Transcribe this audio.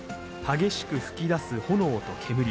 激しく噴き出す炎と煙。